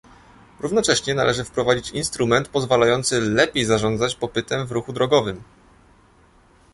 Równocześnie należy wprowadzić instrument pozwalający lepiej zarządzać popytem w ruchu drogowym